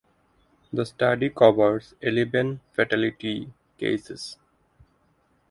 The study covers eleven fatality cases.